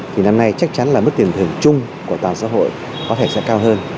thì năm nay chắc chắn là mức tiền thưởng chung của toàn xã hội có thể sẽ cao hơn